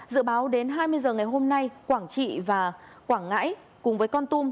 dự báo đến hai mươi h ngày hôm nay quảng trị và quảng ngãi cùng với con tum